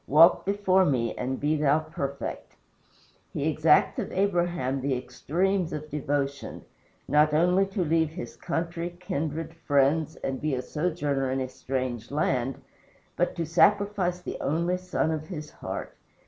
Walk before me and be thou perfect." He exacts of Abraham the extremes of devotion not only to leave his country, kindred, friends, and be a sojourner in a strange land, but to sacrifice the only son of his heart.